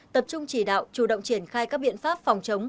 tập trung chỉ đạo chủ động triển khai các biện pháp phòng chống